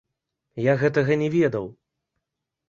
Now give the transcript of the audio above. Я гэтага не ведаў!